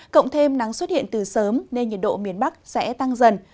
cộng thêm nắng xuất hiện từ sớm nên nhiệt độ miền bắc sẽ tăng dần